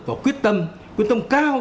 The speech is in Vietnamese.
và quyết tâm quyết tâm cao